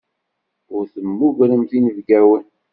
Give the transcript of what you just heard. Ur temmugremt inebgawen.